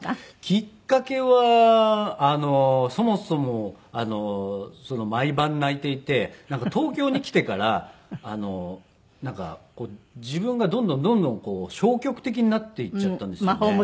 きっかけはそもそも毎晩泣いていてなんか東京に来てから自分がどんどんどんどん消極的になっていっちゃったんですよね。